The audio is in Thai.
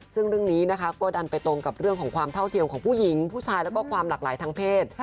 ซึ่งเรื่องนี้นะคะก็ดันไปตรงกับเรื่องของความเท่าเทียมของผู้หญิงผู้ชายแล้วก็ความหลากหลายทางเพศ